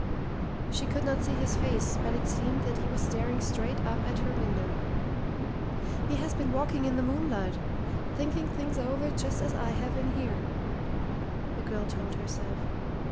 She could not see his face, but it seemed that he was staring straight up at her window. "He has been walking in the moonlight, thinking things over just as I have in here!" the girl told herself.